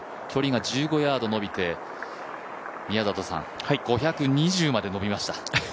距離が１５ヤード延びて、５２０まで延びました。